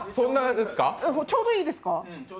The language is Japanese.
ちょうどいいですか？